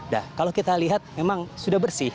nah kalau kita lihat memang sudah bersih